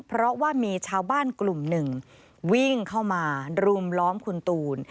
เพราะว่ามีชาวบ้านกลุ่มหนึ่งวิ่งเข้ามารุมล้อมคุณตูน